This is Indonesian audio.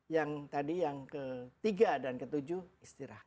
yang tadi yang ke tiga dan ke tujuh istirahat